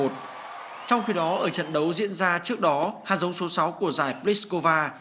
trong khi đó ở trận đấu diễn ra trước đó hạt giống số sáu của giải priskova